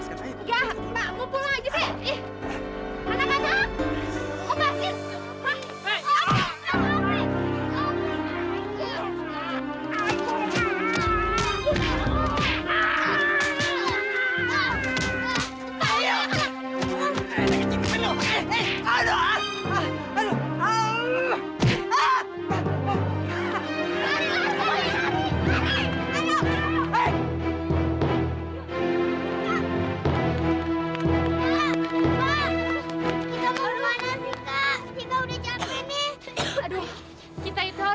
sampai jumpa di video selanjutnya